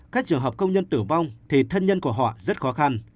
các trường hợp công nhân tử vong thì thân nhân của họ rất khó khăn